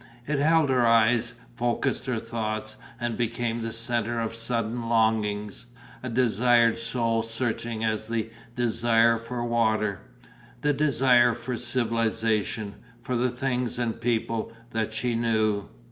It held her eyes, focussed her thoughts, and became the centre of a sudden longing, a desire soul searching as the desire for water the desire for civilization, for the things and people that she knew.